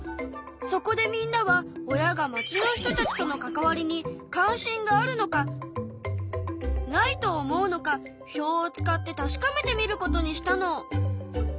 そこでみんなは親が町の人たちとの関わりに関心があるのかないと思うのか表を使って確かめてみることにしたの。